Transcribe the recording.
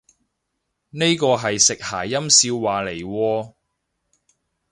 呢個係食諧音笑話嚟喎？